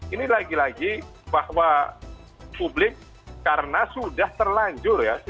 ini lagi lagi bahwa publik karena sudah terlanjur ya